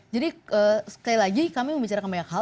jadi sekali lagi kami membicarakan banyak hal